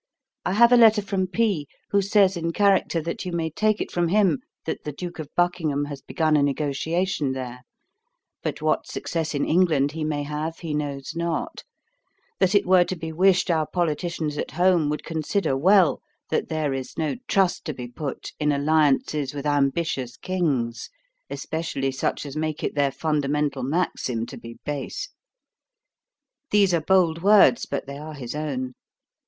I have a letter from P., who says in character that you may take it from him that the Duke of Buckingham has begun a negotiation there, but what success in England he may have he knows not; that it were to be wished our politicians at home would consider well that there is no trust to be put in alliances with ambitious kings, especially such as make it their fundamental maxim to be base. These are bold words, but they are his own.